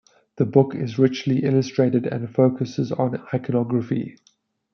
The book is richly illustrated and focusses on iconography.